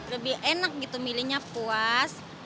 lebih enak gitu milihnya puas